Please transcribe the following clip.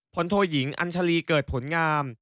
โทยิงอัญชาลีเกิดผลงาม